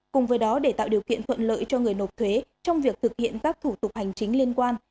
cùng với đó để tạo điều kiện thuận lợi cho người nộp thuế trong việc thực hiện các thủ tục hành chính liên quan